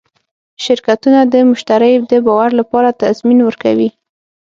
شرکتونه د مشتری د باور لپاره تضمین ورکوي.